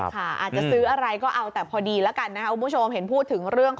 อาจจะซื้ออะไรก็เอาแต่พอดีแล้วกันนะครับคุณผู้ชมเห็นพูดถึงเรื่องของ